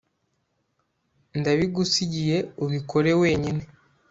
ndabigusigiye ubikore wenyine